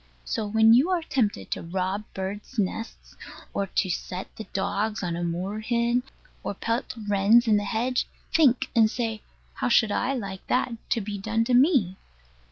So when you are tempted to rob birds' nests, or to set the dogs on a moorhen, or pelt wrens in the hedge, think; and say How should I like that to be done to me?